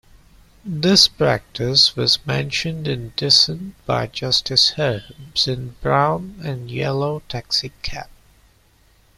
This practice was mentioned in dissent by Justice Holmes in "Brown and Yellow Taxicab".